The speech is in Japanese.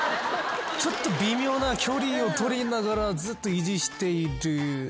ちょっと微妙な距離をとりながらずっと維持しているのは駄目です。